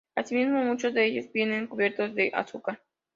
Asimismo, muchos de ellos vienen cubiertos de azúcar.